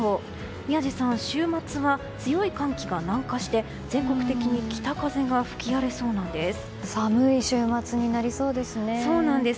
宮司さん週末は強い寒気が南下して全国的に北風が吹き荒れそうなんです。